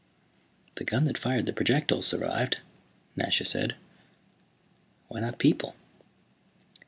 "The gun that fired the projectiles survived," Nasha said. "Why not people?"